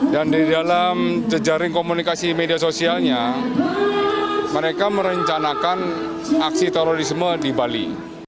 dan di dalam jejaring komunikasi media sosialnya mereka merencanakan aksi terorisme di bali